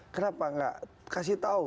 kenapa gak kasih tau